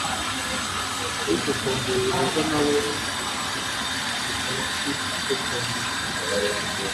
twitotombeye yehova nawe tukakwitotombera